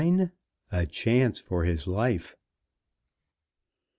A CHANCE FOR HIS LIFE.